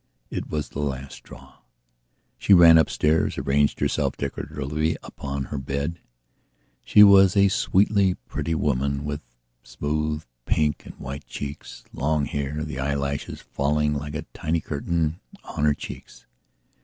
It was the last straw. She ran upstairs, arranged herself decoratively upon her bedshe was a sweetly pretty woman with smooth pink and white cheeks, long hair, the eyelashes falling like a tiny curtain on her cheeks.